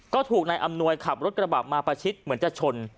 ก็ถูกนายอำนวยขับรถกระบะมาประชิดเหมือนจะชน